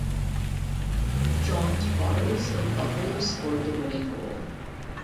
John Tavares of Buffalo scored the winning goal.